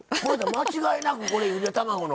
間違いなくこれゆで卵の。